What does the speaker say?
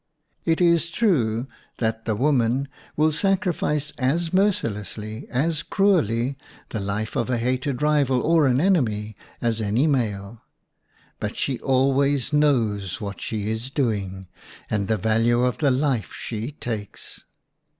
It is true that the woman will sacrifice as mercilessly, as cruelly, the life of a hated rival or an enemy, as any male; but she always knows what she is doing, and the value of the life she takes!